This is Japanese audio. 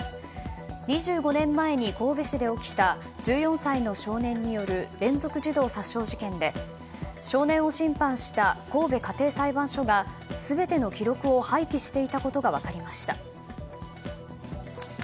２５年前に神戸市で起きた１４歳の少年による連続児童殺傷事件で少年を審判した神戸家庭裁判所が全ての記録を廃棄していたことが分かりました。